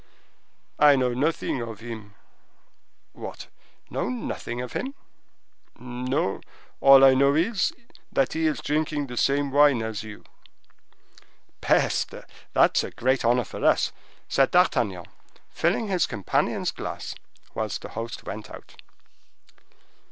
"I know nothing of him." "What!—know nothing of him?" "No, all I know is, that he is drinking the same wine as you." "Peste!—that is a great honor for us," said D'Artagnan, filling his companion's glass, whilst the host went out.